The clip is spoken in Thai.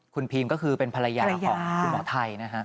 คุณพีมก็คือเป็นภรรยาของคุณหมอไทยนะฮะ